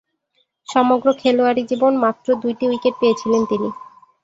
সমগ্র খেলোয়াড়ী জীবন মাত্র দুইটি উইকেট পেয়েছিলেন তিনি।